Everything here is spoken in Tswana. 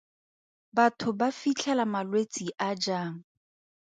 Batho ba fitlhela malwetse a jang?